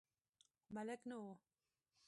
ملک نه و.